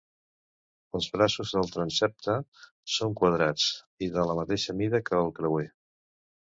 Els braços del transsepte són quadrats i de la mateixa mida que el creuer.